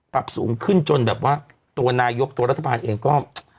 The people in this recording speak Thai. ปรับสูงขึ้นจนแบบว่าตัวนายกตัวรัฐบาลเองก็